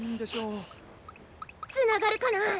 つながるかな？